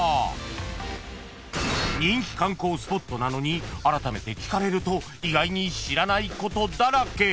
［人気観光スポットなのにあらためて聞かれると意外に知らないことだらけ］